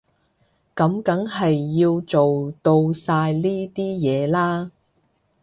噉梗係要做到晒呢啲嘢啦